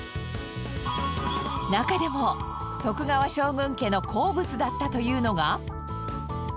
中でも徳川将軍家の好物だったというのが。